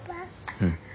うん。